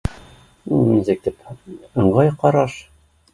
Ну нисек тип ыңғай ҡараш